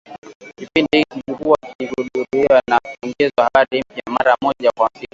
Kipindi hiki kilikuwa kikirudiwa na kuongezewa habari mpya, mara moja kwa siku